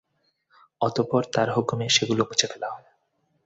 অতঃপর তার হুকুমে সেগুলো মুছে ফেলা হয়।